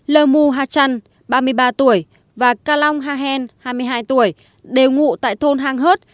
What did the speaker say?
lờ mù hà trăn ba mươi ba tuổi và cà long hà hèn hai mươi hai tuổi đều ngụ tại thôn hàng hớt